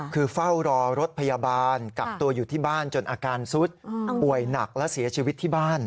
คือเฝ้ารอรถพยาบาลกักตัวอยู่ที่บ้านจนอาการซุดป่วยหนักและเสียชีวิตที่บ้าน